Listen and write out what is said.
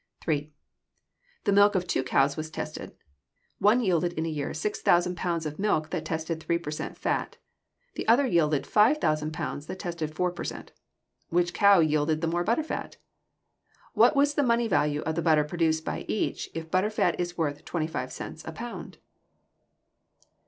3. The milk of two cows was tested: one yielded in a year 6000 pounds of milk that tested 3 per cent of fat; the other yielded 5000 pounds that tested 4 per cent. Which cow yielded the more butter fat? What was the money value of the butter produced by each if butter fat is worth twenty five cents a pound?